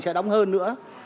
sẽ đóng hơn nữa